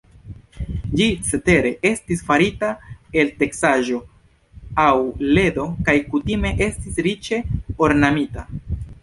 Ĝi cetere estis farita el teksaĵo aŭ ledo kaj kutime estis riĉe ornamita.